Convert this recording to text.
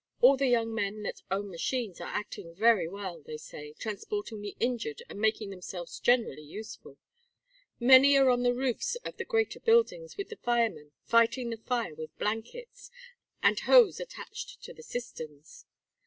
All the young men that own machines are acting very well, they say, transporting the injured, and making themselves generally useful. Many are on the roofs of the greater buildings with the firemen fighting the fire with blankets, and hose attached to the cisterns.